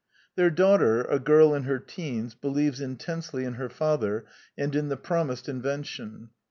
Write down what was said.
Their slaughter, a girl in her teens, believes intensely in her father and in the promised invention.